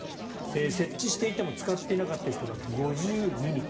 設置していても使っていなかった人が５２人。